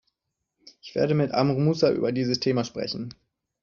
Ich werde mit Amr Musa über dieses Thema sprechen.